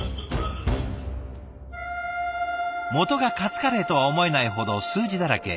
元がカツカレーとは思えないほど数字だらけ。